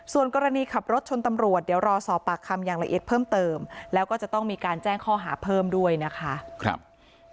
ส่วนกรณีขับรถชนตำรวจเดี๋ยวรอสอบปากคำอย่างละเอียดเพิ่มเติมแล้วก็จะต้องมีการแจ้งข้อหาเพิ่มด้วยนะคะ